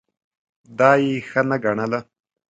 دا یې ښه نه ګڼله.